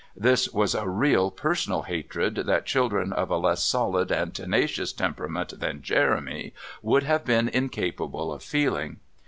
This was a real personal hatred that children of a less solid and tenacious temperament than Jeremy would have been incapable of feeling.